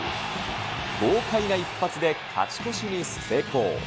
豪快な一発で勝ち越しに成功。